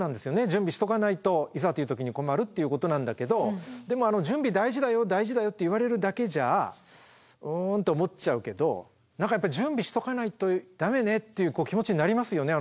準備しとかないといざという時に困るっていうことなんだけどでも「準備大事だよ大事だよ」って言われるだけじゃ「うん？」と思っちゃうけど「準備しとかないとダメね」っていう気持ちになりますよね